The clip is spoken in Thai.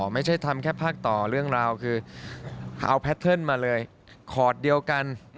ไม่ใช่ทำแค่ภาคต่อเรื่องราวคือเอาแพทเทิร์นมาเลยคอร์ดเดียวกัน